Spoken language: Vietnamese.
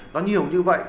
nó nhiều như vậy